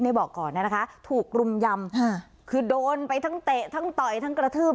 นี่บอกก่อนเนี่ยนะคะถูกรุมยำคือโดนไปทั้งเตะทั้งต่อยทั้งกระทืบ